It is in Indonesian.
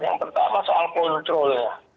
yang pertama soal kontrolnya